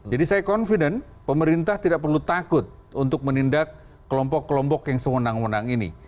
jadi saya yakin pemerintah tidak perlu takut untuk menindak kelompok kelompok yang sewenang wenang ini